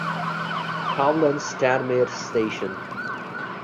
Koblenz Stadtmitte station.